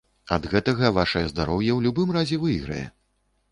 І ад гэтага вашае здароўе ў любым разе выйграе.